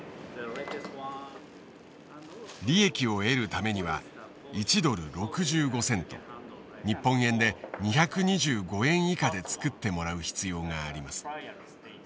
利益を得るためには１ドル６５セント日本円で２２５円以下で作ってもらう必要があります。